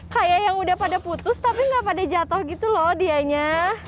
kayak yang udah pada putus tapi gak pada jatuh gitu loh dianya